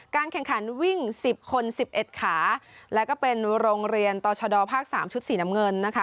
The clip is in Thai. แข่งขันวิ่ง๑๐คน๑๑ขาแล้วก็เป็นโรงเรียนต่อชะดอภาค๓ชุดสีน้ำเงินนะคะ